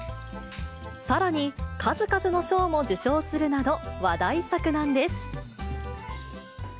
さらに、数々の賞も受賞するなど、話題作なんです。